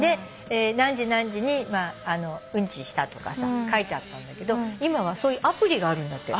何時何時にうんちしたとか書いてあったんだけど今はそういうアプリがあるんだって。